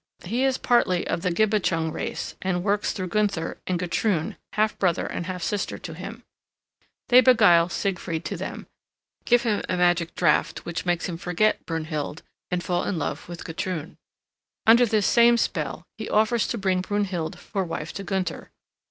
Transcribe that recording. He is partly of the Gibichung race, and works through Gunther and Gutrune, half brother and half sister to him. They beguile Siegfried to them, give him a magic draught which makes him forget Brunhild and fall in love with Gutrune. Under this same spell, he offers to bring Brunhild for wife to Gunther.